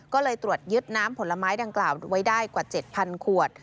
ก็เลยตรวจยึดน้ำผลไม้ดังกล่าวไว้ได้กว่า๗๐๐ขวด